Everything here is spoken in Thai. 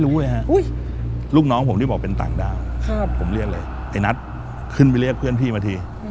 ลูกน้องผมที่บอกเป็นต่างด้าวผมเรียกเลยไอ้นัทขึ้นไปเรียกเพื่อนพี่มาที